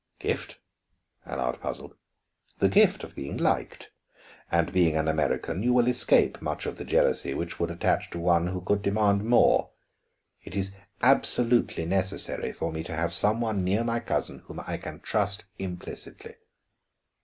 "Gift?" Allard puzzled. "The gift of being liked. And being an American, you will escape much of the jealousy which would attach to one who could demand more. It is absolutely necessary for me to have some one near my cousin whom I can trust implicitly."